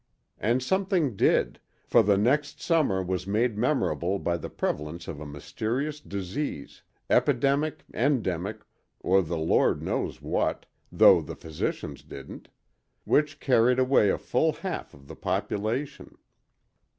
And something did, for the next summer was made memorable by the prevalence of a mysterious disease—epidemic, endemic, or the Lord knows what, though the physicians didn't—which carried away a full half of the population.